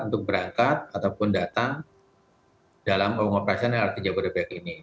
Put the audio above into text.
untuk berangkat ataupun datang dalam operasi lrt jabodetabek ini